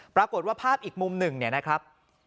ปรากฏว่าภาพอีกมุมหนึ่งเนี่ยนะครับ